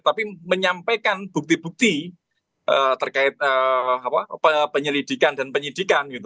tapi menyampaikan bukti bukti terkait penyelidikan dan penyidikan